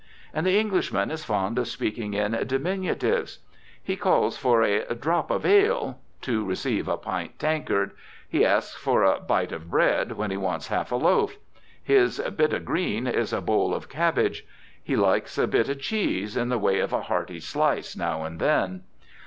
And the Englishman is fond of speaking in diminutives. He calls for a "drop of ale," to receive a pint tankard. He asks for a "bite of bread," when he wants half a loaf. His "bit of green" is a bowl of cabbage. He likes a "bit of cheese," in the way of a hearty slice, now and then.